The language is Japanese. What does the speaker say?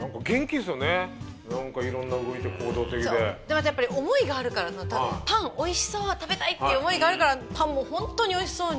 でもやっぱり思いがあるからパンおいしそう食べたいっていう思いがあるからパンもホントにおいしそうに。